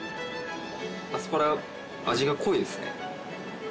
アスパラは味が濃いですね。